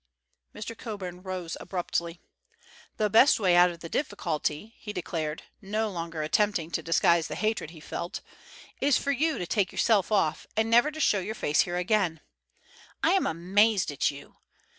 Mr. Coburn rose abruptly. "The best way out of the difficulty," he declared, no longer attempting to disguise the hatred he felt, "is for you to take yourself off and never to show your face here again. I am amazed at you."